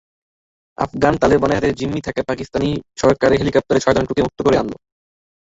আফগান তালেবানের হাতে জিম্মি থাকা পাকিস্তানের সরকারি হেলিকপ্টারের ছয়জন ক্রুকে মুক্ত করা হয়েছে।